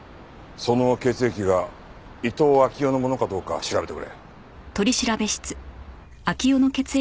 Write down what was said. その血液が伊東暁代のものかどうか調べてくれ。